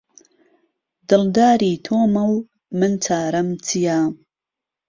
دڵداری تۆمە و من چارەم چیە؟